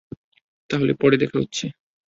তাহলে, পরে দেখা হচ্ছে।